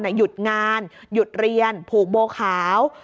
หยุดงานหยุดเรียนผูกโบขาว